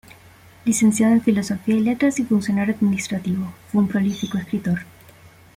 Licenciado en Filosofía y Letras y funcionario administrativo, fue un prolífico escritor.